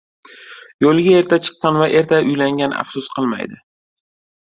• Yo‘lga erta chiqqan va erta uylangan afsus qilmaydi.